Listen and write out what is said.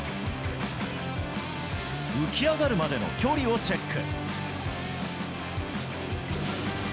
浮き上がるまでの距離をチェック。